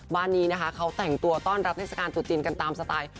บ้านนี้เขาแต่งตัวต้อนรับทริสการตุษฎินกันตามสไตล์